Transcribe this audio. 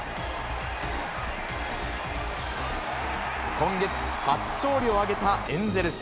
今月、初勝利を挙げたエンゼルス。